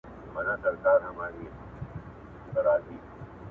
نو د هغه مشر هلمندي